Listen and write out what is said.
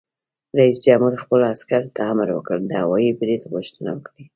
رئیس جمهور خپلو عسکرو ته امر وکړ؛ د هوايي برید غوښتنه وکړئ!